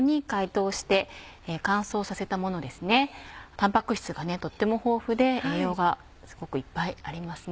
タンパク質がとっても豊富で栄養がすごくいっぱいあります。